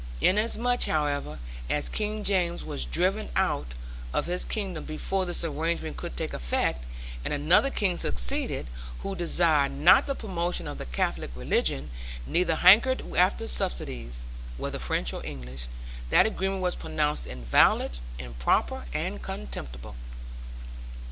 Inasmuch, however, as King James was driven out of his kingdom before this arrangement could take effect, and another king succeeded, who desired not the promotion of the Catholic religion, neither hankered after subsidies, (whether French or English), that agreement was pronounced invalid, improper, and contemptible.